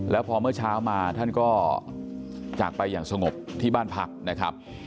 แล้วพอเมื่อเช้ามาท่านก็จากไปอย่างสงบที่บ้านพักนะครับ